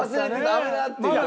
危なっ！」っていう。